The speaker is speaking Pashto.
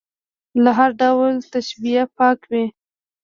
له هر ډول تشبیه پاک وي.